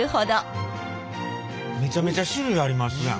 めちゃめちゃ種類ありますやん。